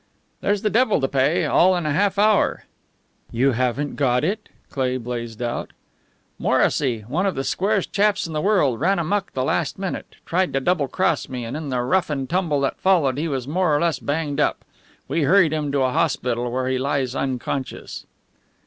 "There's the devil to pay all in a half hour." "You haven't got it?" Cleigh blazed out. "Morrissy one of the squarest chaps in the world ran amuck the last minute. Tried to double cross me, and in the rough and tumble that followed he was more or less banged up. We hurried him to a hospital, where he lies unconscious."